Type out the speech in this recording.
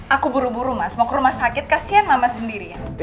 aku buru buru mas mau ke rumah sakit kasihan mama sendiri